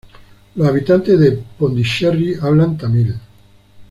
Los habitantes de Pondicherry hablan tamil.